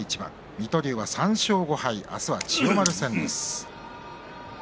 水戸龍は３勝５敗明日は千代丸戦です。